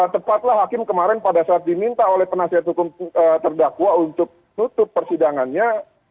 tepatlah hakim kemarin pada saat diminta oleh penasihat hukum terdakwa untuk tutup persidangannya